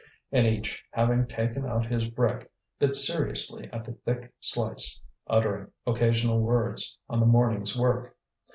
And each, having taken out his brick, bit seriously at the thick slice, uttering occasional words on the morning's work.